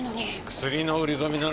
薬の売り込みなら。